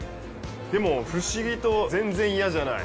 でも不思議と全然嫌じゃない。